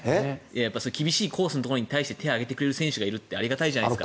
厳しいコースに手を挙げてくれる選手がいるのはありがたいじゃないですか。